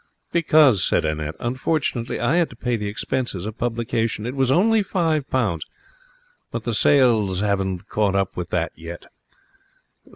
'Because,' said Annette, 'unfortunately, I had to pay the expenses of publication. It was only five pounds, but the sales haven't caught up with that yet.